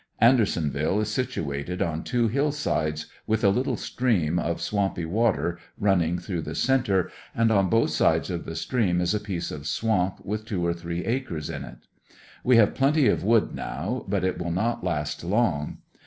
Andersonville is situated on two hillsides, witli a small stream ' f swampy water runniog through the center, and on both sides of the stream is a piece of swamp with two or three acres in it We have plenty of wood now, but it will not last long.